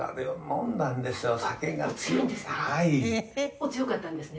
「お強かったんですね？」